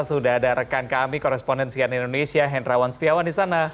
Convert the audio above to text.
sudah ada rekan kami korespondensian indonesia hendrawan setiawan di sana